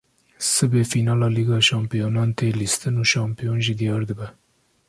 Sibê fînala Lîga Şampiyonan tê lîstin û şampiyon jî diyar dibe